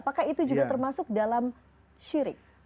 apakah itu juga termasuk dalam syirik